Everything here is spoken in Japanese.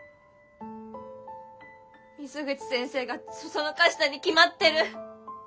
水口先生が唆したに決まってる。